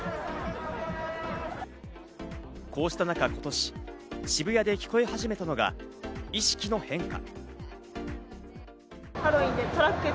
こうした中、今年、渋谷で聞こえ始めたのが意識の変化。